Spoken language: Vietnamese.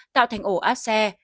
tạo thành ổ áp xe